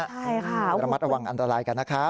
ใช่ค่ะระมัดระวังอันตรายกันนะคะ